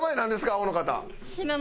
青の方。